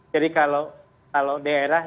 jadi kalau daerah